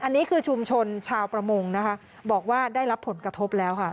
อันนี้คือชุมชนชาวประมงนะคะบอกว่าได้รับผลกระทบแล้วค่ะ